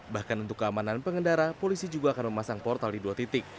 bahkan untuk keamanan pengendara polisi juga akan memasang portal di dua titik